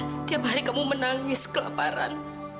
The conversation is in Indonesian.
setiap hari kamu menangis kelaparan